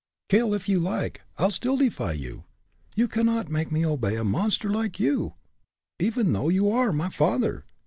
"Kill, if you like I'll still defy you. You can not make me obey a monster like you, even though you are my father!